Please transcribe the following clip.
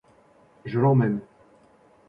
Je l'emmène.